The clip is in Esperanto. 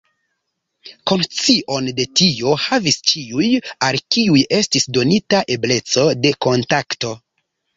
Konscion de tio havis ĉiuj, al kiuj estis donita ebleco de kontakto.